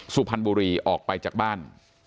สุพรรณบุรีออกไปจากบ้าน